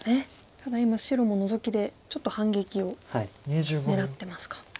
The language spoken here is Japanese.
ただ今白もノゾキでちょっと反撃を狙ってますか。